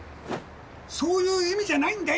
そういう意味じゃないんだよ！